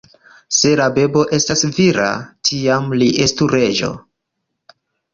Se la bebo estos vira, tiam li estu reĝo.